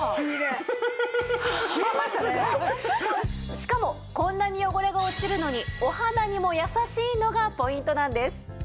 しかもこんなに汚れが落ちるのにお肌にもやさしいのがポイントなんです。